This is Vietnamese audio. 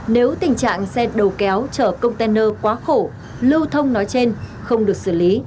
nếu tình trạng xe đầu kéo chở container quá khổ lưu thông nói trên không được xử lý